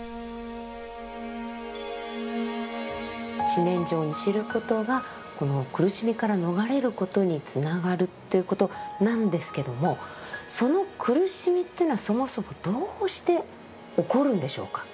四念処を知ることがこの苦しみから逃れることにつながるということなんですけどもその苦しみというのはそもそもどうして起こるんでしょうか？